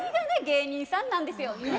芸人さんなんですよね。